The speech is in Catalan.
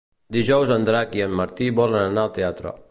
Dijous en Drac i en Martí volen anar al teatre.